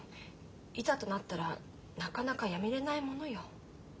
いざとなったらなかなか辞めれないものよ。